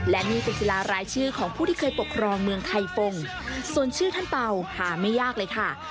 และนี่เป็นกีฬารายชื่อของผู้ที่เคยปกครองเมืองไทยฟงส่วนชื่อท่านเป่าหาไม่ยากเลยค่ะ